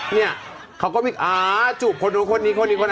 นี่เขาก็บิ๊กอ่าจูบคนหนึ่งคนอื่นคนอื่น